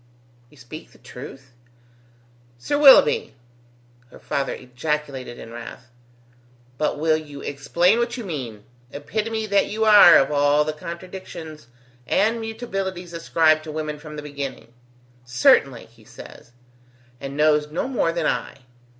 "You speak the truth?" "'Sir Willoughby!'" her father ejaculated in wrath. "But will you explain what you mean, epitome that you are of all the contradictions and mutabilities ascribed to women from the beginning! 'Certainly', he says, and knows no more than I.